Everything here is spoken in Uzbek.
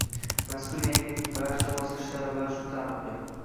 Mazkur yangilik barcha bosqich talabalari uchun taalluqli.